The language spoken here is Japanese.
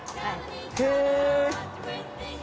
へえ。